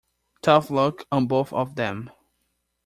Tough luck on both of them.